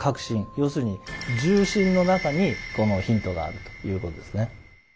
要するに銃身の中にヒントがあるということですね。